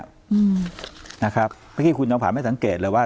อืมนะครับเมื่อกี้คุณตำรวจไม่สังเกตเลยว่า